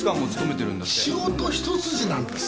仕事一筋なんです。